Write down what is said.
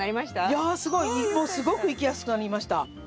いやあすごいすごく行きやすくなりました。